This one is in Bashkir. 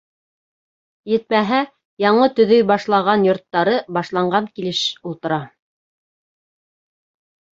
Етмәһә, яңы төҙөй башлаған йорттары башланған килеш ултыра.